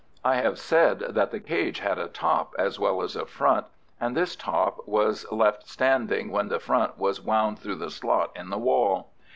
I have said that the cage had a top as well as a front, and this top was left standing when the front was wound through the slot in the wall.